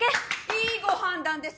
いいご判断ですわ！